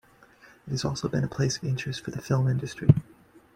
It has also been a place of interest for the film industry.